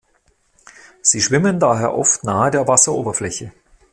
Sie schwimmen daher oft nahe der Wasseroberfläche.